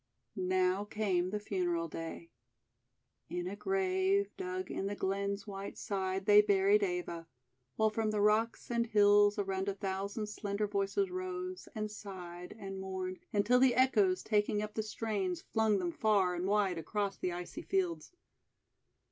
Now came the funeral day. In a grave dug in the glen's white side they buried Eva; while from the rocks and hills around a thousand slender voices rose, and sighed, and mourned, GARDEN OF FROST FLOWERS 311 until the echoes, taking up the strains, flung them far and wide across the icy fields.